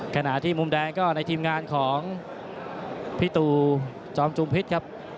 ขณะที่มุมแดงก็ในทีมงานของพี่ตูจอมจุมพิษครับ